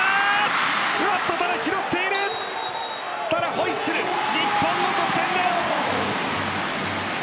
ホイッスル、日本の得点です。